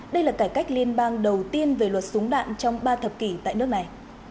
đây là cải cách liên bang đầu tiên về luật súng đạn trong ba thập kỷ tại nước này